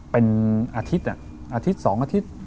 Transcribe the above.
เป็นอาทิตย์อาทิตย์๒อาทิตย์